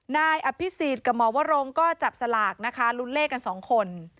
นายอภิษฎกับหมอวรงก็จับสลากนะคะลุ้นเลขกันสองคน